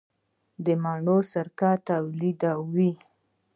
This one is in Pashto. د مڼو سرکه تولیدوو؟